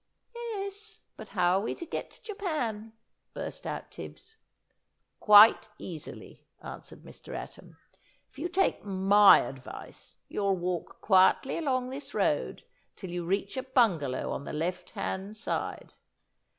"Yes! But how are we to get to Japan?" burst out Tibbs. "Quite easily," answered Mr. Atom. "If you take MY advice, you'll walk quietly along this road till you reach a Bungalow on the left hand side.